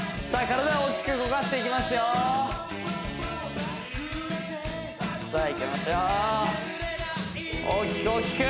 体を大きく動かしていきますよさあいきましょう大きく大きく！